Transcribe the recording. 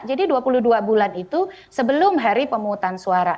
jadi dua puluh dua bulan itu sebelum hari pemungutan suara